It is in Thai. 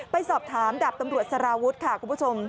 ไปสอบถามดาบตำรวจสารวุฒิค่ะคุณผู้ชม